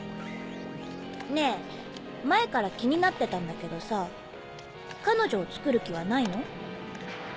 ねぇ前から気になってたんだけどさ彼女をつくる気はないの？